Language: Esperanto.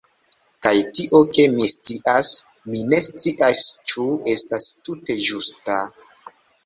Kaj tio ke mi scias, mi ne scias ĉu estas tute ĝusta..